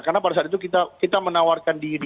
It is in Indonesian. karena pada saat itu kita menawarkan diri